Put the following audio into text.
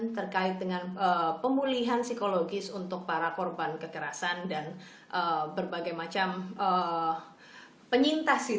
terkait dengan pemulihan psikologis untuk para korban kekerasan dan berbagai macam penyintas